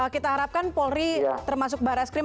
kita harapkan polri termasuk barat skrim